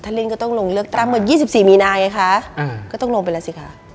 ถ้าเล่นก็ต้องลงเลือกตามเมื่อ๒๔มีนาอย่างนี้ค่ะก็ต้องลงไปแล้วสิค่ะ